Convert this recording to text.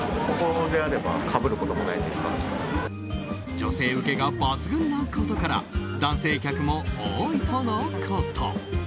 女性ウケが抜群なことから男性客も多いとのこと。